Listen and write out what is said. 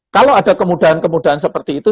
kalau ada kemudahan kemudahan seperti itu